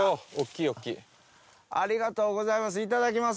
ありがとうございます。